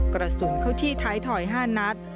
กระสุนเข้าที่ท้ายถอย๕นัด